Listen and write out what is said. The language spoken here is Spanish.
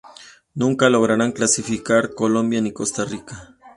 Nunca lograron clasificar Colombia ni Costa Rica.